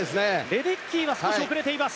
レデッキーは少し遅れています。